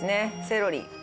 セロリ。